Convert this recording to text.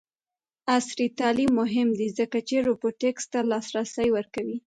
عصري تعلیم مهم دی ځکه چې روبوټکس ته لاسرسی ورکوي.